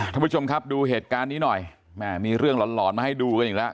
ท่านผู้ชมครับดูเหตุการณ์นี้หน่อยแม่มีเรื่องหลอนหลอนมาให้ดูกันอีกแล้ว